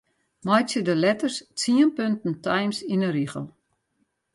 Meitsje de letters tsien punten Times yn 'e rigel.